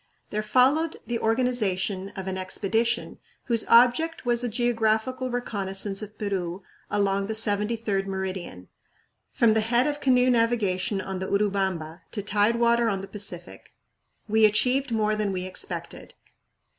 There followed the organization of an expedition whose object was a geographical reconnaissance of Peru along the 73d meridian, from the head of canoe navigation on the Urubamba to tidewater on the Pacific. We achieved more than we expected.